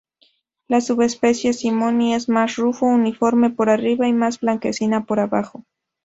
La subespecie "simoni" es más rufo uniforme por arriba y más blanquecina por abajo.